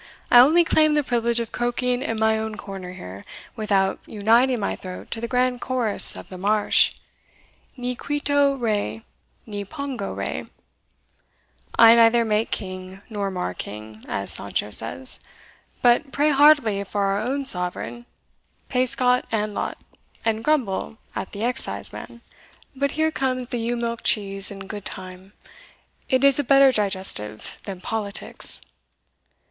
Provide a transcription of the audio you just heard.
I only claim the privilege of croaking in my own corner here, without uniting my throat to the grand chorus of the marsh Ni quito Rey, ni pongo Rey I neither make king nor mar king, as Sancho says, but pray heartily for our own sovereign, pay scot and lot, and grumble at the exciseman But here comes the ewe milk cheese in good time; it is a better digestive than politics."